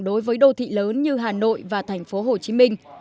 đối với đô thị lớn như hà nội và thành phố hồ chí minh